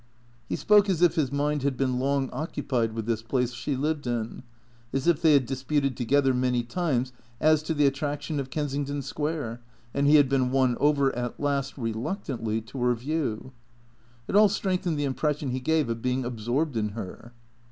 He spoke as if his mind had been long occupied with this place she lived in ; as if they had disputed together many times as to the attraction of Kensington Square, and he had been won over, at last, reluctantly, to her view. It all strengthened the impres sion he gave of being absorbed in her.